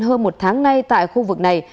hơn một tháng nay tại khu vực này